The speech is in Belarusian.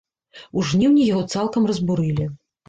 У жніўні яго цалкам разбурылі.